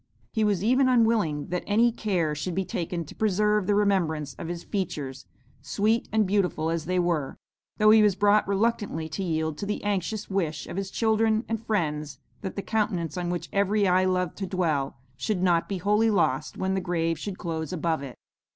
He was even unwilling that any care should be taken to preserve the remembrance of his features, sweet and beautiful as they were, though he was brought reluctantly to yield to the anxious wish of his children and friends that the countenance on which every eye loved to dwell, should not be wholly lost when the grave should close above it.